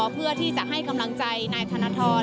เพื่อที่จะให้กำลังใจนายธนทร